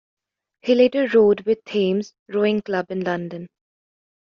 He later rowed with Thames Rowing Club in London.